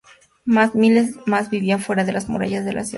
Miles más vivían fuera de las murallas de la ciudad.